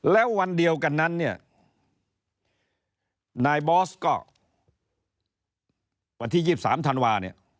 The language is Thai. แล้ววันเดียวกันนั้นเนี่ยนายบอสก็วันที่๒๓ธันวาเนี่ย